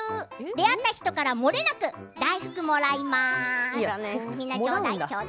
出会った人からもれなく大福もらいます。